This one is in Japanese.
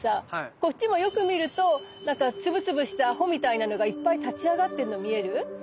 こっちもよく見るとなんか粒々した穂みたいなのがいっぱい立ち上がってるの見える？